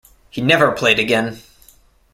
He never played again.